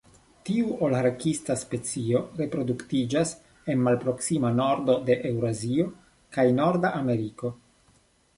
Tiu holarktisa specio reproduktiĝas en malproksima nordo de Eŭrazio kaj Norda Ameriko.